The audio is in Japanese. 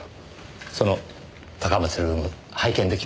その高松ルーム拝見できますか？